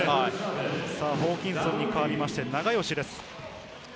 ホーキンソンに代わって永吉です。